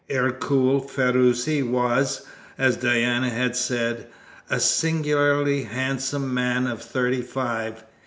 Ercole Ferruci was, as Diana had said, a singularly handsome man of thirty five.